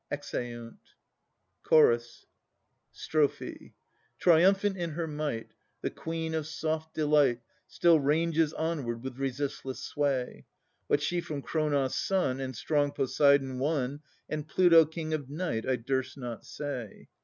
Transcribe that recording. [Exeunt CHORUS. Victorious in her might, I 1 The Queen of soft delight Still ranges onward with triumphant sway. What she from Kronos' son And strong Poseidon won, And Pluto, King of Night, I durst not say.